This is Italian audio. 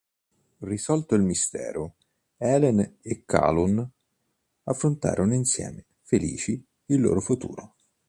Risolto il mistero, Helen e Calhoun affrontano insieme, felici, il loro futuro.